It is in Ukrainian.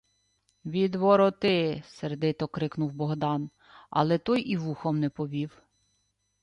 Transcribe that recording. — Відвороти! — сердито крикнув Богдан, але той і вухом не повів: